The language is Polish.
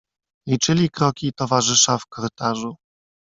"Liczyli kroki towarzysza w korytarzu."